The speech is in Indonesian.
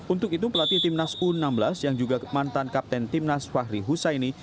untuk itu pelatih timnas u enam belas yang juga mantan kapten timnas fahri husaini